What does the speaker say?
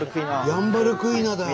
ヤンバルクイナだ！